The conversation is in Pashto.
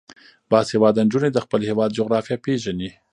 باسواده نجونې د خپل هیواد جغرافیه پیژني.